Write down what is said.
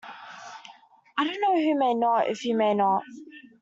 I don't know who may not, if you may not.